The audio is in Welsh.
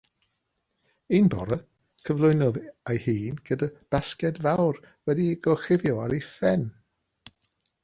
Un bore cyflwynodd ei hun gyda basged fawr wedi'i gorchuddio ar ei phen.